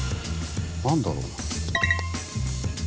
何だろうな？